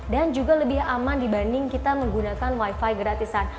dan juga lebih aman dibanding kita menggunakan wifi gratisan